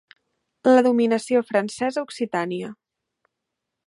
La dominació francesa a Occitània.